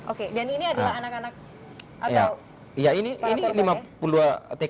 oke dan ini adalah anak anak atau ini